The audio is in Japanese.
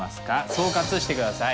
総括して下さい。